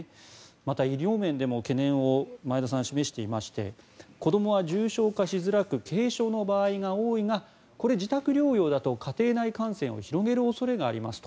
また、医療面でも懸念を前田さんは示していまして子どもは重症化しづらく軽症の場合が多いがこれ、自宅療養だと家庭内感染を広げる恐れがありますと。